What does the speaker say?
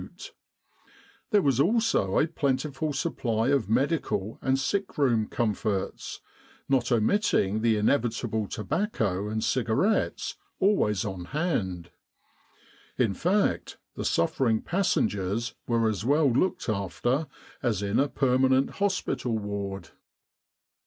There was also a plentiful supply of medical and sick room comforts, not omitting the inevitable tobacco and cigarettes, always on hand. In fact, the suffering passengers were as well looked after as in a per manent hospital ward.